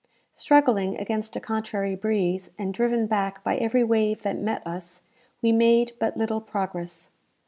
Struggling against a contrary breeze, and driven back by every wave that met us, we made but little progress.